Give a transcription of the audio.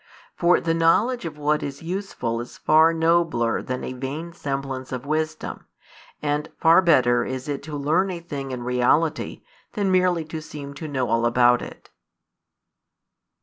For the knowledge of what is useful is far nobler than a vain semblance of wisdom, and far better is it to learn a thing in reality than merely to seem to know all about it.